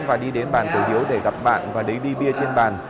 và đi đến bàn của hiếu để gặp bạn và lấy đi bia trên bàn